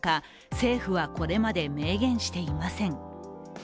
政府は、これまで明言していません